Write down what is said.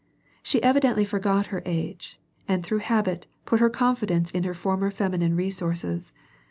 She evidently forgot her age, and through habit, put her confidence in her former feminine resources.